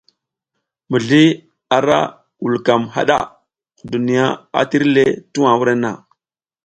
Mizli ara vulkam hada, duniya a tir le tuwa wurenna.